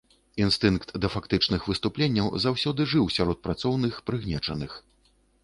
Інстынкт да фактычных выступленняў заўсёды жыў сярод працоўных, прыгнечаных.